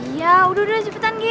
iya udah udah cepetan gi